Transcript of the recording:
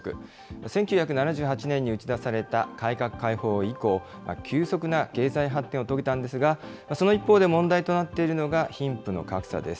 １９７８年に打ち出された改革開放以降、急速な経済発展を遂げたんですが、その一方で問題となっているのが、貧富の格差です。